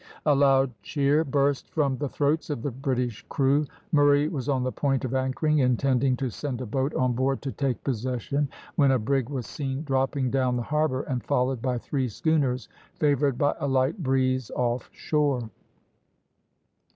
A loud cheer burst from the throats of the British crew. Murray was on the point of anchoring, intending to send a boat on board to take possession, when a brig was seen dropping down the harbour, and followed by three schooners, favoured by a light breeze off shore.